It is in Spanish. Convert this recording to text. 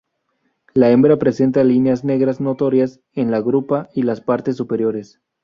La hembra presenta líneas negras notorias en la grupa y las partes superiores.